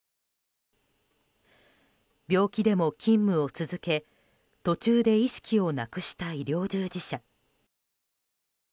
病気でも勤務を続け、途中で意識をなくした医療従事者。